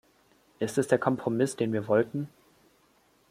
Ist es der Kompromiss, den wir wollten?